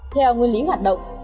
theo nguyên lý hoạt động